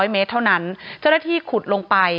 เมตรเท่านั้นเจ้าหน้าที่ขุดลงไป